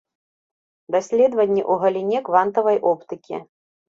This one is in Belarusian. Даследаванні ў галіне квантавай оптыкі.